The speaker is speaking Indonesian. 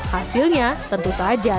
hasilnya tentu saja